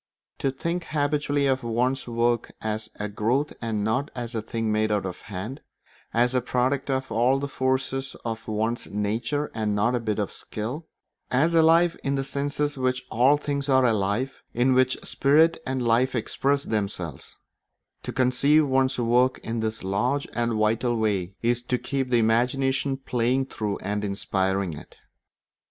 To think habitually of one's work as a growth and not a thing made out of hand, as a product of all the forces of one's nature and not a bit of skill, as alive in the sense in which all things are alive in which spirit and life express themselves, to conceive of one's work in this large and vital way is to keep the imagination playing through and inspiring it.